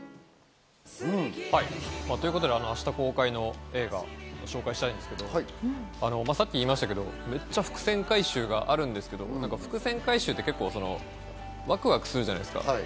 ということで明日公開の映画、ご紹介したいんですけど、さっき言いましたけど、めっちゃ伏線回収があるんですけど、伏線回収ってワクワクするじゃないですか。